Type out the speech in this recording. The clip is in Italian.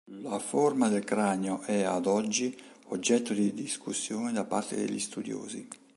La forma del cranio è, ad oggi, oggetto di discussione da parte degli studiosi.